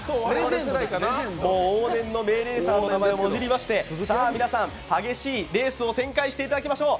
往年の名レーサーの名前をもじりまして皆さん、激しいレースを展開していただきましょう。